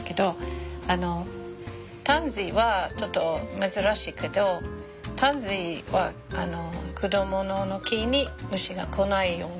タンジーはちょっと珍しいけどタンジーは果物の木に虫が来ないようにの力あるんですよ。